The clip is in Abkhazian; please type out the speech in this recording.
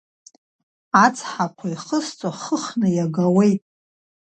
Ацҳақәа ихысҵо хыхны иагауеит…